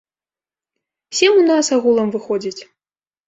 Сем у нас агулам выходзіць.